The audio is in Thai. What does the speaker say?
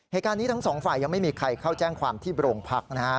เหตุการณ์นี้ทั้งสองฝ่ายยังไม่มีใครเข้าแจ้งความที่โบรงพลักษณ์นะครับ